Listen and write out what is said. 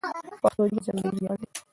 پښتو ژبه زموږ ملي ویاړ دی.